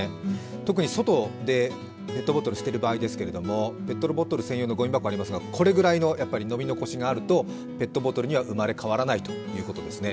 特に外でペットボトルを捨てる場合ですけれども、ペットボトル専用のごみ箱がありますが、このぐらいの飲み残しがあるとペットボトルには生まれ変わらないということですね。